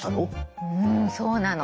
うんそうなの！